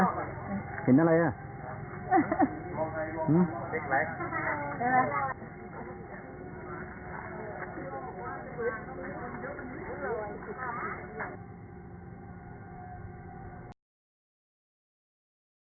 เห็นไหมครับ